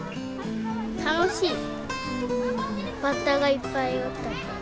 楽しいバッタがいっぱいおった。